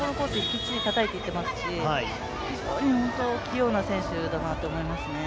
きっちりたたいていっていますし、非常に器用な選手だなと思いますね。